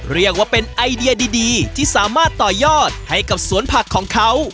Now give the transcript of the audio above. เรียกว่าเป็นไอเดียดีที่สามารถต่อยอดให้กับสวนผักของเขา